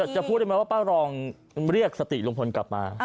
จะพูดได้ไหมว่าป้ารองเรียกสติลุงพลกลับมา